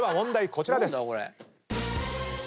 こちらです！